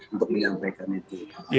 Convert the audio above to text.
untuk menyampaikan itu